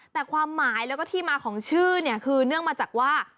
แต่ความหมายแล้วก็ที่มาของชื่อเนี่ยคือเนื่องมาจากว่า